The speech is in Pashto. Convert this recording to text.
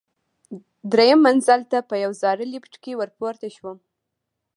درېیم منزل ته په یوه زړه لفټ کې ورپورته شوم.